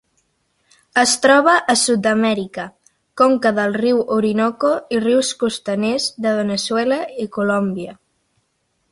Es troba a Sud-amèrica: conca del riu Orinoco i rius costaners de Veneçuela i Colòmbia.